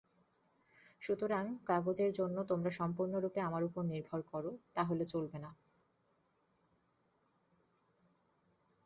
সুতরাং কাগজের জন্য তোমরা সম্পূর্ণরূপে আমার ওপর নির্ভর কর, তাহলে চলবে না।